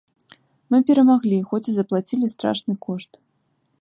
Мы перамаглі, хоць і заплацілі страшны кошт.